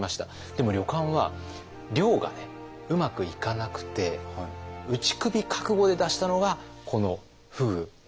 でも旅館は漁がうまくいかなくて打ち首覚悟で出したのがこの「ふぐ」なんです。